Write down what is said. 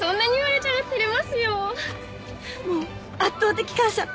もう圧倒的感謝！